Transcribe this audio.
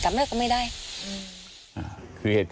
ที่บอกไปอีกเรื่อยเนี่ย